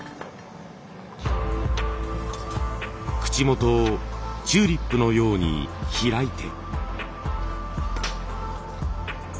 口元をチューリップのように開いて。